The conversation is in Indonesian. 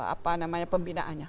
apa namanya pembinaannya